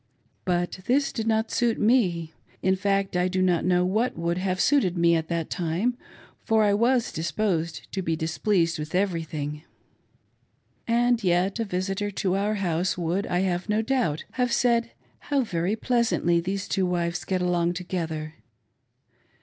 But this did not suit me. In fact I do not know what would have suited me at that time, for I was dis posed to be displeased with everything. And yet a visitor to our house would, I have no doubt, have said, How very pleas antly those two wives get along together.